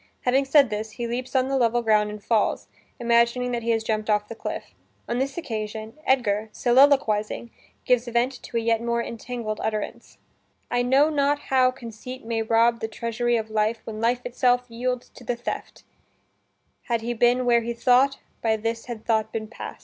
Having said this, he leaps on the level ground and falls, imagining that he has jumped off the cliff. On this occasion, Edgar, soliloquizing, gives vent to a yet more entangled utterance: "I know not how conceit may rob The treasury of life when life itself Yields to the theft; had he been where he thought, By this had thought been past."